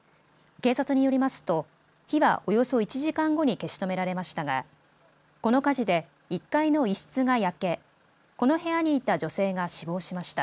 警察によりますと火はおよそ１時間後に消し止められましたがこの火事で１階の一室が焼けこの部屋にいた女性が死亡しました。